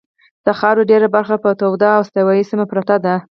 د خاورې ډېره برخه په توده او استوایي سیمه پرته ده.